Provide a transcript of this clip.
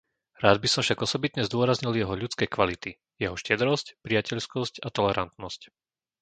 Rád by som však osobitne zdôraznil jeho ľudské kvality - jeho štedrosť, priateľskosť a tolerantnosť.